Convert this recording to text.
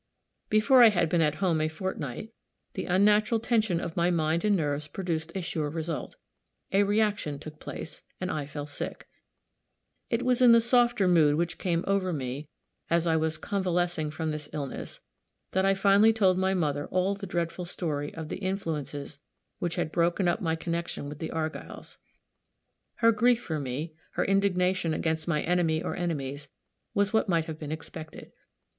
Before I had been at home a fortnight, the unnatural tension of my mind and nerves produced a sure result a reäction took place, and I fell sick. It was in the softer mood which came over me, as I was convalescing from this illness, that I finally told my mother all the dreadful story of the influences which had broken up my connection with the Argylls. Her grief for me, her indignation against my enemy or enemies, was what might have been expected.